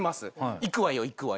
行くわよ行くわよ。